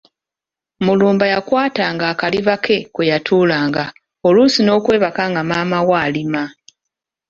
Mulumba yakwatanga akaliba ke kwe yatuulanga oluusi nookwebaka nga maama we alima.